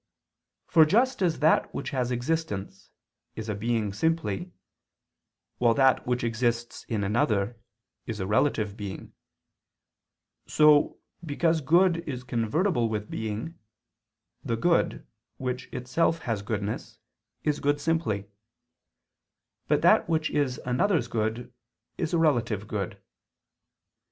For just as that which has existence, is a being simply, while that which exists in another is a relative being; so, because good is convertible with being, the good, which itself has goodness, is good simply; but that which is another's good, is a relative good.